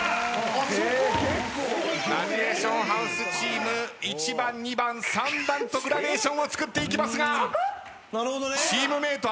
ラジエーションハウスチーム１番２番３番とグラデーションを作っていきますがチームメート